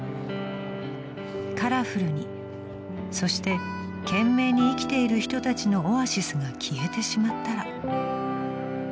［カラフルにそして懸命に生きている人たちのオアシスが消えてしまったら］